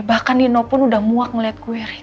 bahkan nino pun udah muak ngeliat gue rik